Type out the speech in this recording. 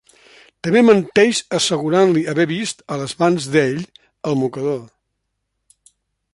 També menteix assegurant-li haver vist a les mans d'ell el mocador.